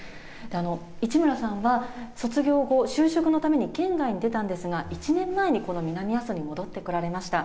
市村さんは、卒業後、就職のためにに出たんですが、１年前にこの南阿蘇に戻ってこられました。